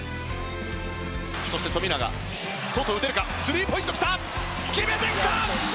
そして富永外、打てるかスリーポイント、決めてきた！